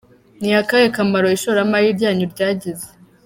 Ni akahe kamaro ishoramari ryanyu ryagize?.